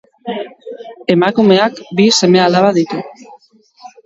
Emakumeak bi seme-alaba ditu.